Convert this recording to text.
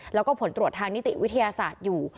แล้วก็ผลตรวจทางนิติวิทยาศาสตร์อยู่